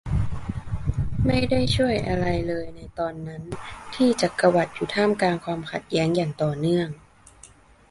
ไม่ได้ช่วยอะไรเลยในตอนนั้นที่จักรวรรดิอยู่ท่ามกลางความขัดแย้งอย่างต่อเนื่อง